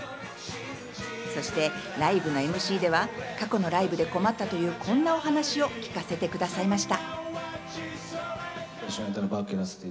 そしてライブのＭＣでは、過去のライブで困ったという、こんなお話を聞かせてくださいました。